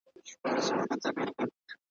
اسوېلي که دي ایستله څوک دي نه اوري آهونه ,